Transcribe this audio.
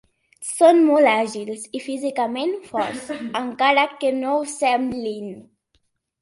Són molt àgils i físicament forts, encara que no ho semblin.